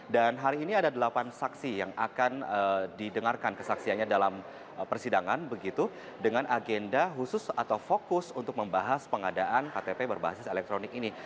dan hari ini ada delapan saksi yang akan didengarkan kesaksiannya dalam persidangan begitu dengan agenda khusus atau fokus untuk membahas pengadaan ktp berbasis elektronik ini